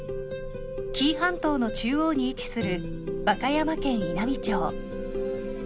紀伊半島の中央に位置する和歌山県印南町。